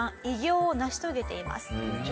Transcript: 偉業を成し遂げています。